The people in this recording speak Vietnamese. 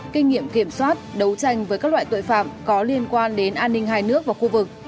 kinh nghiệm kiểm soát đấu tranh với các loại tội phạm có liên quan đến an ninh hai nước và khu vực